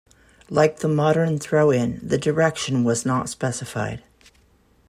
Like the modern throw-in, the direction was not specified.